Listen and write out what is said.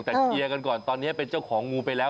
แต่เคลียร์กันก่อนตอนนี้เป็นเจ้าของงูไปแล้ว